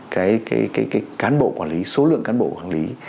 cái cán bộ quản lý số lượng cán bộ quản lý